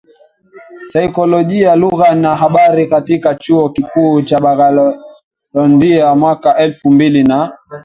Saikolojia Lugha na Habari katika Chuo Kikuu cha BangaloreIndiaMwaka elfu mbili na